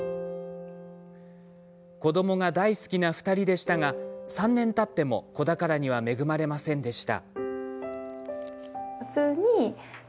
子どもが大好きな２人でしたが３年たっても子宝には恵まれませんでした。